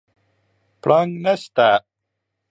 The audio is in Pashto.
پړانګ نشته